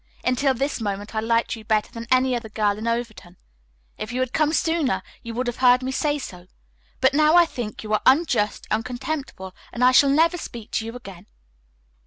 Until this moment I liked you better than any other girl in Overton. If you had come sooner, you would have heard me say so. But now I think you are unjust and contemptible and I shall never speak to you again."